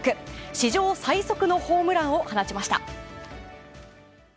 史上最速のホームランを放ちました。